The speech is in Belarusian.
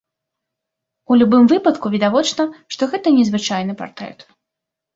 У любым выпадку відавочна, што гэта незвычайны партрэт.